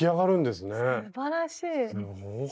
すばらしい！